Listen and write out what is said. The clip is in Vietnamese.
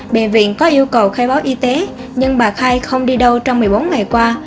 bệnh viện có yêu cầu khai báo y tế nhưng bà khai không đi đâu trong một mươi bốn ngày qua